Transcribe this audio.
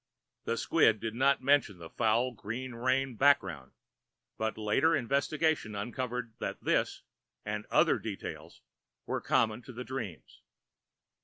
The squib did not mention the foul green rain background, but later investigation uncovered that this and other details were common to the dreams.